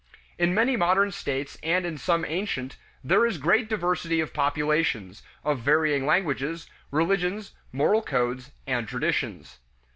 In many modern states and in some ancient, there is great diversity of populations, of varying languages, religions, moral codes, and traditions.